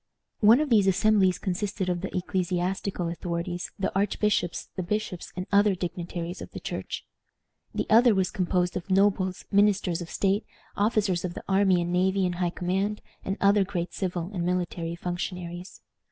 One of these assemblies consisted of the ecclesiastical authorities, the archbishops, the bishops, and other dignitaries of the Church. The other was composed of nobles, ministers of state, officers of the army and navy in high command, and other great civil and military functionaries.